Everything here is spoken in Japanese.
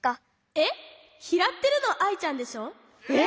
えっ？きらってるのはアイちゃんでしょ？